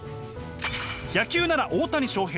野球なら大谷翔平